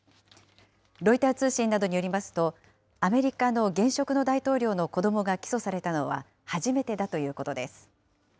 ロイター通信などによりますと、アメリカの現職の大統領の子どもが起訴されたのは初めてだということです。